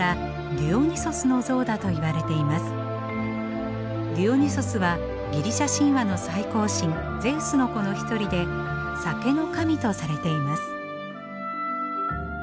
ディオニュソスはギリシャ神話の最高神ゼウスの子の一人で酒の神とされています。